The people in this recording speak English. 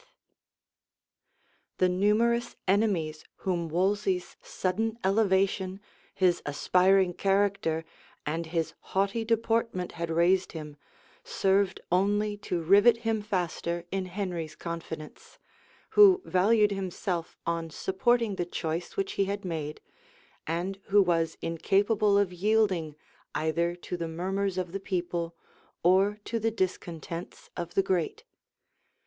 } The numerous enemies whom Wolsey's sudden elevation, his aspiring character, and his haughty deportment had raised him, served only to rivet him faster in Henry's confidence; who valued himself on supporting the choice which he had made, and who was incapable of yielding either to the murmurs of the people or to the discontents of the great.